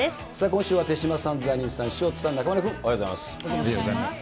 今週は手嶋さん、ザニーさん、潮田さん、中丸君、おはようございます。